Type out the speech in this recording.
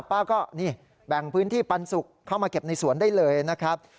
ป้าก็นี่แบ่งพื้นที่ปันสุกเข้ามาเก็บในสวนได้เลยนะครับ